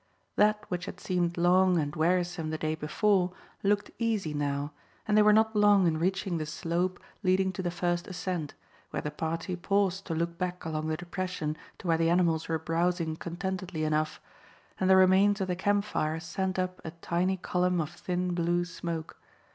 That which had seemed long and wearisome the day before looked easy now, and they were not long in reaching the slope leading to the first ascent, where the party paused to look back along the depression to where the animals were browsing contentedly enough, and the remains of the camp fire sent up a tiny column of thin blue smoke.